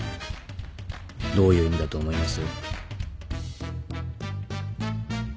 どういう意味だと思います？